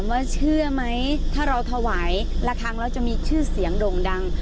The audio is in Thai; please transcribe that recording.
ว่าเชื่อไหมถ้าเราถวายละครั้งแล้วจะมีชื่อเสียงโด่งดัง